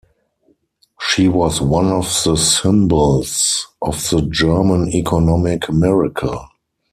She was one of the symbols of the German economic miracle.